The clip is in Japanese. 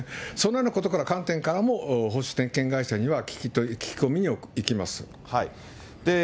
そうなることからの観点からも保守点検会社には聞き込みに行きます。